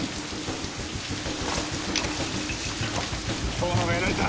「遠野がやられた。